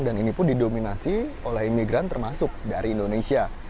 dan ini pun didominasi oleh imigran termasuk dari indonesia